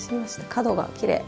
角がきれい。